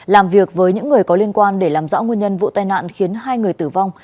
làm việc với những người có liên quan để làm rõ nguyên nhân vụ tai nạn khiến hai người tử vong